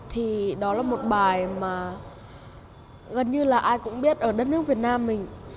thì đó là một bài mà gần như là ai cũng biết ở đất nước việt nam mình